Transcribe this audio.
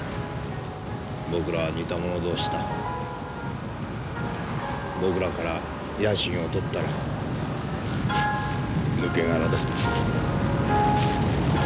僕らは似た者同士だ僕らから野心を取ったら抜け殻だ。